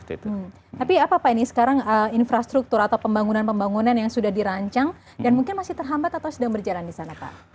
tapi apa pak ini sekarang infrastruktur atau pembangunan pembangunan yang sudah dirancang dan mungkin masih terhambat atau sedang berjalan di sana pak